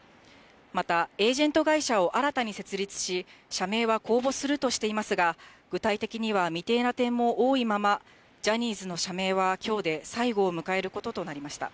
また、エージェント会社を新たに設立し、社名は公募するとしていますが、具体的には未定な点も多いまま、ジャニーズの社名はきょうで最後を迎えることとなりました。